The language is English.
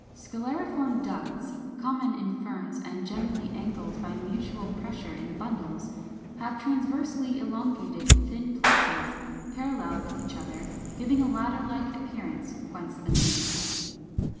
Scalariform ducts (Fig. 458, 459), common in Ferns, and generally angled by mutual pressure in the bundles, have transversely elongated thin places, parallel with each other, giving a ladder like appearance, whence the name.